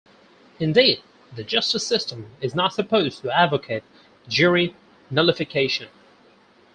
Indeed, the justice system is not supposed to advocate jury nullification.